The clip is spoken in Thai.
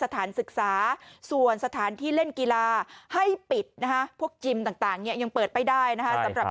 ถูกต้องค่ะห้างเปิดได้ไม่เกิน๓ทุ่ม